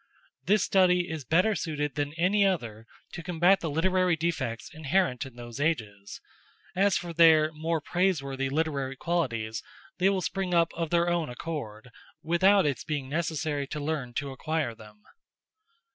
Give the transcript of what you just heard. This study is better suited than any other to combat the literary defects inherent in those ages; as for their more praiseworthy literary qualities, they will spring up of their own accord, without its being necessary to learn to acquire them.